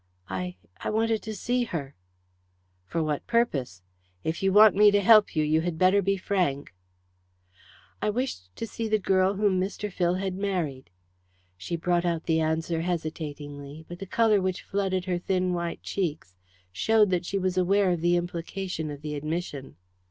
"I I wanted to see her." "For what purpose? If you want me to help you, you had better be frank." "I wished to see the girl whom Mr. Phil had married." She brought out the answer hesitatingly, but the colour which flooded her thin white cheeks showed that she was aware of the implication of the admission.